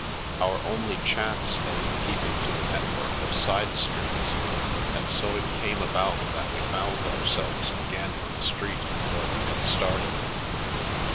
Our only chance lay in keeping to the network of side streets, and so it came about that we found ourselves again in the street where we had started.